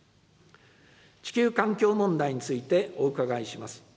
地球環境問題についてお伺いします。